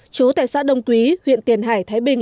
chú tại xã đông quý huyện tiền hải thái bình